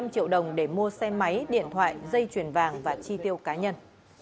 một mươi năm triệu đồng để mua xe máy điện thoại dây chuyển vàng và chi tiêu cá nhân